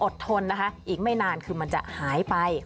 ทนนะคะอีกไม่นานคือมันจะหายไป